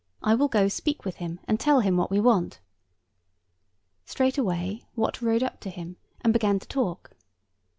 I will go speak with him, and tell him what we want.' Straightway Wat rode up to him, and began to talk.